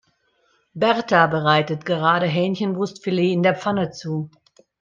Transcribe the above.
Berta bereitet gerade Hähnchenbrustfilet in der Pfanne zu.